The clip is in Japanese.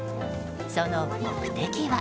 その目的は。